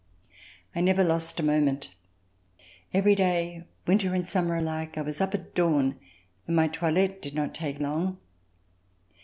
I never lost a moment. Every day, winter and summer alike, I was up at dawn and my toilette did not take long.